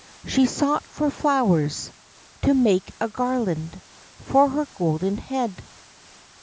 She sought for flowers To make a garland For her golden head.